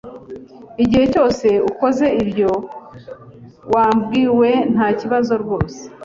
Igihe cyose ukoze ibyo wabwiwe, ntakibazo rwose.